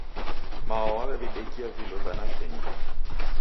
Mao w'aw'edidekia vindo va nakenyi